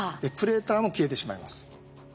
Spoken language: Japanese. クレーターも消えてしまいます。